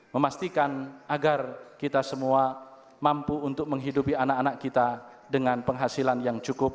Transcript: memastikan agar kita semua mampu untuk menghidupi anak anak kita dengan penghasilan yang cukup